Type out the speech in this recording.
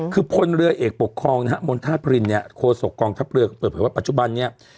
คือพลเรือเอกปกครองมณฑภรินโคสกกองทัพเรือแปลว่าปัจจุบัน